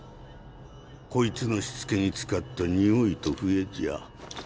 こいつのしつけに使った匂いと笛じゃ。